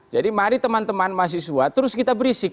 jadi mari teman teman mahasiswa terus kita berisik